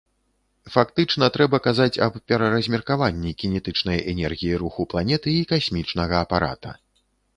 Фактычна, трэба казаць аб пераразмеркаванні кінетычнай энергіі руху планеты і касмічнага апарата.